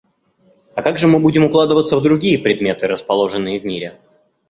А как же мы будем укладываться в другие предметы, расположенные в мире?